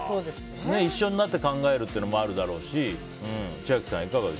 一緒になって考えるっていうのもあるだろうし。